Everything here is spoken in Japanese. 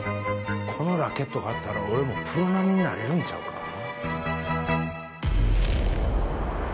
このラケットがあったら俺もプロ並みになれるんちゃうか。